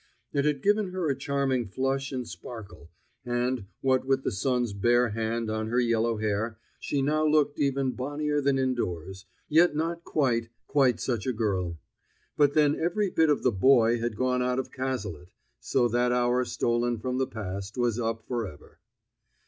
It had given her a charming flush and sparkle; and, what with the sun's bare hand on her yellow hair, she now looked even bonnier than indoors, yet not quite, quite such a girl. But then every bit of the boy had gone out of Cazalet. So that hour stolen from the past was up forever.